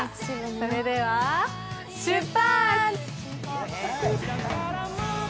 それでは、出発！